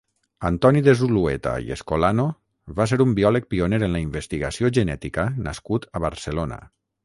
Antoní de Zulueta i Escolano va ser un biòleg pioner en la investigació genética nascut a Barcelona.